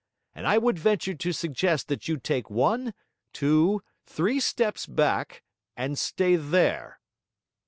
And I would venture to suggest that you take one two three steps back; and stay there.'